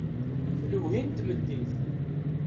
Lewhi n tmeddit.